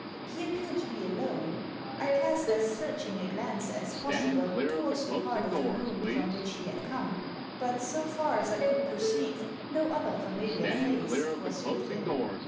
He ap peared to be alone. I cast as searching a glance as possible towards the part of the room from which he had come. But, so far as I could perceive, no other familiar face was with him.